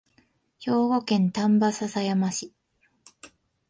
兵庫県丹波篠山市